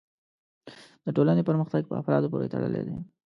د ټولنې پرمختګ په افرادو پورې تړلی دی.